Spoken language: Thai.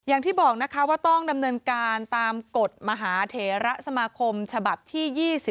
อย่างที่บอกนะคะว่าต้องดำเนินการตามกฎมหาเถระสมาคมฉบับที่๒๐